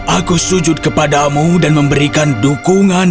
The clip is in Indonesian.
aku sujud kepadamu dan memberikan dukungan